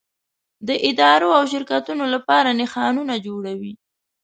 د ادارو او شرکتونو لپاره نښانونه جوړوي.